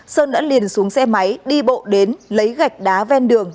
sơn đã liền xuống xe máy đi bộ đến lấy gạch đá ven đường